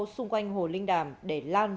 xung quanh hồ linh đàm để lan